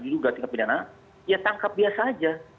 di juga tindak pidana ya tangkap biasa aja